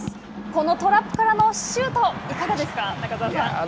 このトラップからのシュートいかがですか、中澤さん。